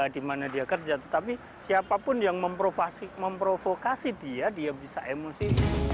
di mana dia kerja tetapi siapapun yang memprovokasi dia dia bisa emosi